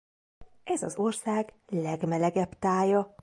Ez az ország legmelegebb tája.